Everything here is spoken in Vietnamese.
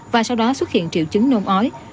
và sau đó xuất hiện triệu chứng nôn ói